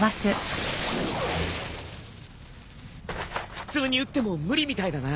普通に撃っても無理みたいだな。